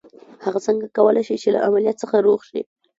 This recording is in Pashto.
هغه څنګه کولای شي چې له عمليات څخه روغ شي.